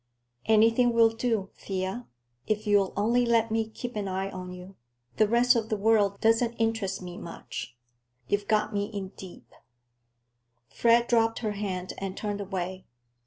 "Anything will do, Thea, if you'll only let me keep an eye on you. The rest of the world doesn't interest me much. You've got me in deep." Fred dropped her hand and turned away.